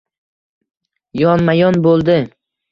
Yonma-yon bo‘ldi.